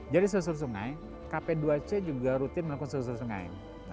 jadi susur sungai kp dua c juga rutin melakukan susur sungai